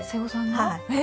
はい。